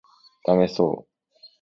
ダメそう